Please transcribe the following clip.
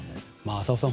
浅尾さん